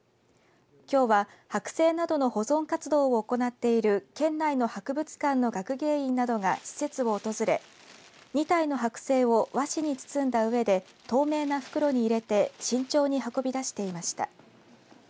きょうは、剥製などの保存活動を行っている県内の博物館の学芸員などが施設を訪れ２体の剥製を和紙に包んだうえで透明な袋に入れて慎重に運び出していました。